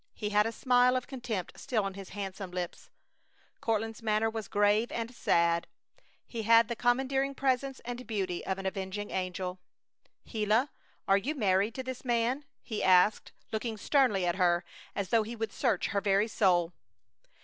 He had a smile of contempt still on his handsome lips. Courtland's manner was grave and sad. He had the commanding presence and beauty of an avenging angel. "Gila, are you married to this man?" he asked, looking sternly at her, as though he would search her very soul.